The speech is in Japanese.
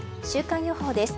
週間予報です。